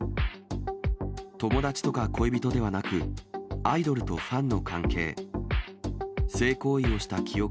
友達とか恋人ではなく、アイドルとファンの関係。